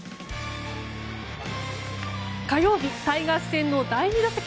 火曜日タイガース戦の第２打席。